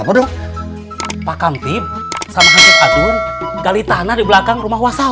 mak bisa dateng ke rumah